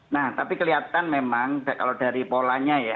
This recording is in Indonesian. nah tapi kelihatan memang kalau dari polanya ya